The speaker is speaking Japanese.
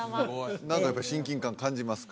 何かやっぱり親近感感じますか？